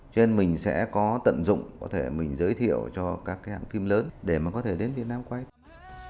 cho nên mình sẽ có tận dụng có thể mình giới thiệu cho các cái hãng phim lớn để mà có thể đến việt nam quay